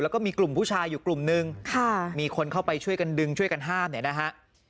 แล้วก็มีกลุ่มผู้ชายอยู่กลุ่มนึงมีคนเข้าไปช่วยกันดึงช่วยกันห้ามเนี่ยนะฮะ